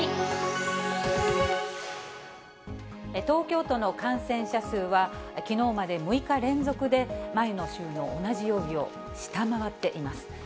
東京都の感染者数は、きのうまで６日連続で前の週の同じ曜日を下回っています。